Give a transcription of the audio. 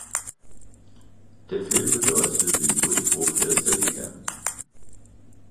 Der Film bedeutete den Durchbruch der Steadicam.